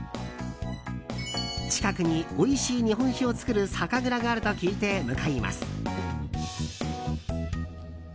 近くに、おいしい日本酒を造る酒蔵があると聞いて向かいます。